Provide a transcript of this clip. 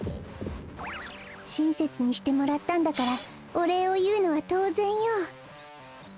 しんせつにしてもらったんだからおれいをいうのはとうぜんよ。